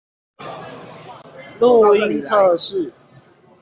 溫和沒有刺激性